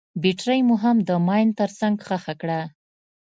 بټرۍ مو هم د ماين تر څنګ ښخه کړه.